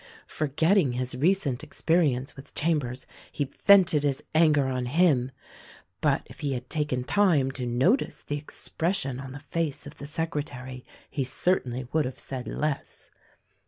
Forgetting his recent experience with Chambers he vented his anger on him ; but if he had taken time to notice the expression on the face of the secretary he cer tainly would have said less.